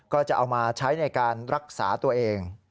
ก็จะเอามาใช้ในการรักษาตัวเอง